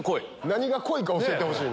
何が濃いか教えてほしい。